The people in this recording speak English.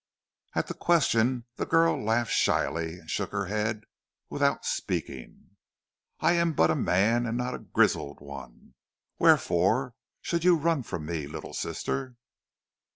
At the question the girl laughed shyly, and shook her head without speaking. "I am but a man, and not the grizzled one. Wherefore should you run from me, little sister?"